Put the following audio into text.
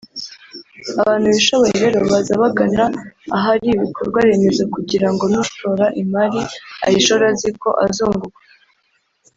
abantu bishoboye rero baza bagana ahari ibikorwa remezo kugira ngo n’ushora imari ayishore azi ko azunguka